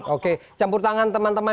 oke campur tangan teman teman